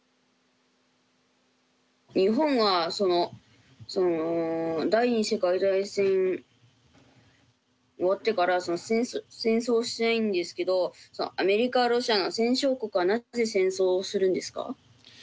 日本は第２次世界大戦終わってから戦争してないんですけどアメリカロシアの戦勝国はなぜ戦争をするんですか？